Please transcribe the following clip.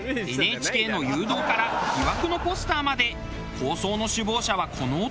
ＮＨＫの誘導から疑惑のポスターまで。